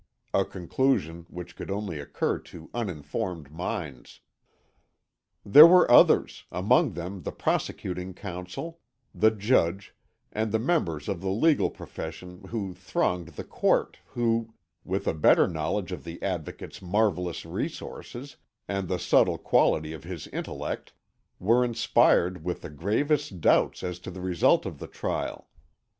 A conclusion which could only occur to uninformed minds. There were others among them the prosecuting counsel, the judge, and the members of the legal profession who thronged the court who, with a better knowledge of the Advocate's marvellous resources, and the subtle quality of his intellect, were inspired with the gravest doubts as to the result of the trial.